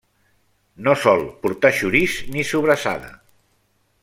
No sol portar xoriç ni sobrassada.